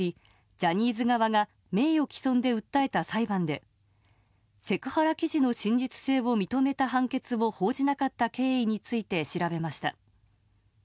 ジャニーズ側が名誉毀損で訴えた裁判でセクハラ記事の真実性を認めた判決を報じなかった経緯について調べました。